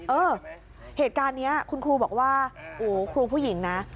เออเหตุการณ์นี้คุณครูบอกว่าโอ้ครูผู้หญิงนะ